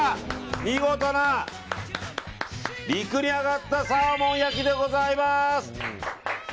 見事な陸にあがったサーモン焼きでございます。